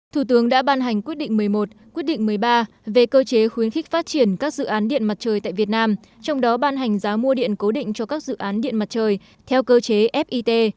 thủ tướng đã ban hành quyết định một mươi một quyết định một mươi ba về cơ chế khuyến khích phát triển các dự án điện mặt trời tại việt nam trong đó ban hành giá mua điện cố định cho các dự án điện mặt trời theo cơ chế fit